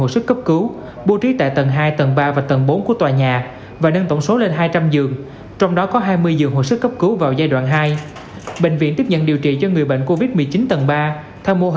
xin chào và hẹn gặp lại trong các bản tin tiếp theo